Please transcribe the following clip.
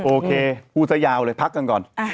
โอเคพูดซะยาวเลยพักกันก่อน